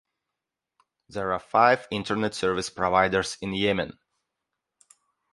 There are five Internet service providers in Yemen.